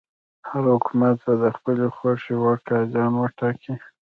هر حکومت به د خپلې خوښې وړ قاضیان وټاکي.